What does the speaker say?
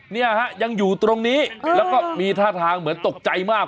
เนี่ยฮะยังอยู่ตรงนี้แล้วก็มีท่าทางเหมือนตกใจมาก